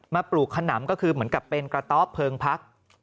ปลูกขนำก็คือเหมือนกับเป็นกระต๊อบเพลิงพัก